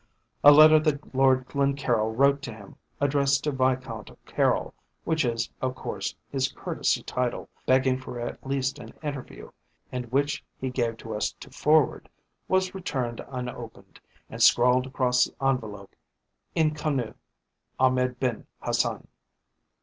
A letter that Lord Glencaryll wrote to him, addressed to Viscount Caryll, which is, of course, his courtesy title, begging for at least an interview, and which he gave to us to forward, was returned unopened, and scrawled across the envelope: 'Inconnu. Ahmed Ben Hassan.'